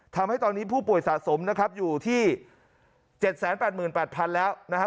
ทำให้ตอนนี้ผู้ป่วยสะสมนะครับอยู่ที่๗๘๘๐๐๐แล้วนะฮะ